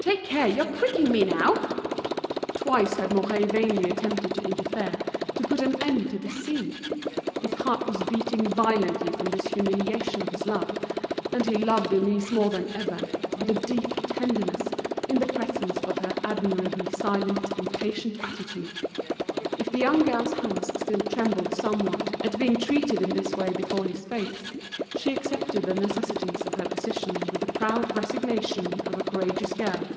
Take care, you're pricking me now!" Twice had Mouret vainly attempted to interfere, to put an end to this scene. His heart was beating violently from this humiliation of his love; and he loved Denise more than ever, with a deep tenderness, in the presence of her admirably silent and patient attitude. If the young girl's hands still trembled somewhat, at being treated in this way before his face, she accepted the necessities of her position with the proud resignation of a courageous girl.